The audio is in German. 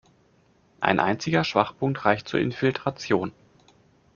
Ein einziger Schwachpunkt reicht zur Infiltration.